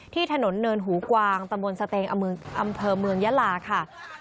ที่ถนนเนินหูกวางตำบลสเตงอำเภอเมืองยะลาค่ะ